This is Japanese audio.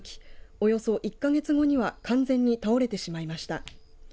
およそ１か月後には完全に倒れてしまいました。